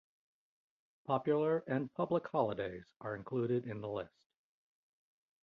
Popular and public holidays are included in the list.